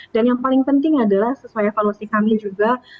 dan yang paling penting adalah sesuai evaluasi kami juga